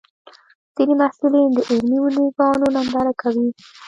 ځینې محصلین د علمي ویډیوګانو ننداره کوي.